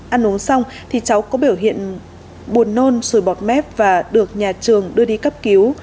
ăn uống xong thì cháu có biểu hiện buồn nôn sùi bọt mép và được nhà trường đưa đi cấp cứu